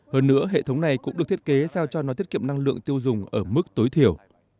hơn nữa hệ thống này cũng được thiết kế sao cho nó tiết kiệm năng lượng tiêu dùng ở mức tối thiểu